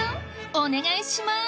お願いします！